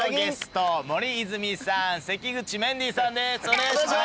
お願いします。